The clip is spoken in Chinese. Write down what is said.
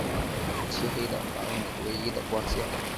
漆黑的房里唯一的光线